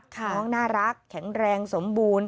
น้องน่ารักแข็งแรงสมบูรณ์